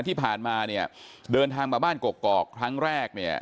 ที่ผ่านมาเนี่ยเดินทางมาบ้านกกอกครั้งแรกเนี่ย